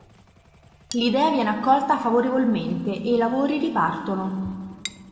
L'idea viene accolta favorevolmente e i lavori ripartono.